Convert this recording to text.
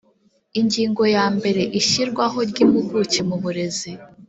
Ingingo ya mbere Ishyirwaho ry Impuguke mu burezi